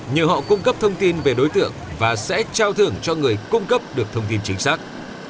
nhờ họ cung cấp thông tin về đối tượng và sẽ trao thưởng cho người cung cấp được thông tin chính xác